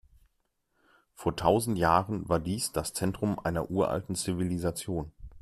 Vor tausend Jahren war dies das Zentrum einer uralten Zivilisation.